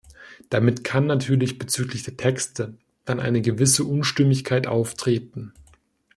Damit kann natürlich bezüglich der Texte dann eine gewisse Unstimmigkeit auftreten.